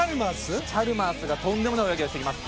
チャルマースがとんでもない泳ぎをしてきます。